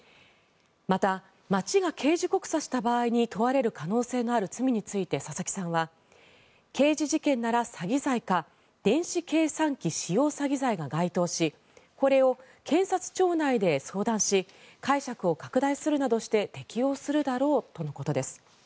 また、町が刑事告訴した場合に問われる可能性のある罪について佐々木さんは刑事事件なら詐欺罪か電子計算機使用詐欺罪が該当しこれを検察庁内で相談し解釈を拡大するなどして適用するだろうとのことです。